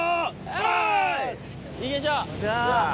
オ！いきましょう。